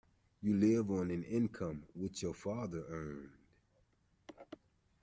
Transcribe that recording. You live on an income which your father earned.